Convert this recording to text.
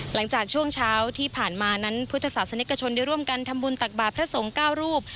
หลังจากช่วงเช้าที่ผ่านมานั้นพุทธศาสนิกชนได้ร่วมกันทำบุญตักบาทพระสงฆ์๙รูป